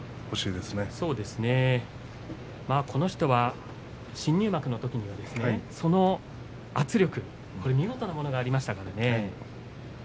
琴勝峰は新入幕のときには圧力は見事なものがありましたからね。